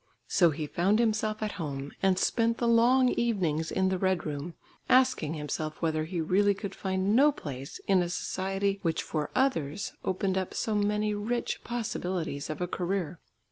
So he found himself at home, and spent the long evenings in the "Red Room," asking himself whether he really could find no place in a society which for others opened up so many rich possibilities of a career.